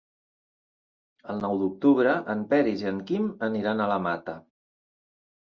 El nou d'octubre en Peris i en Quim aniran a la Mata.